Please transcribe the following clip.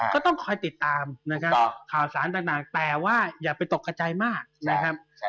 ก็ต้องคอยติดตามนะครับข่าวสารต่างแต่ว่าอย่าไปตกกระจายมากนะครับ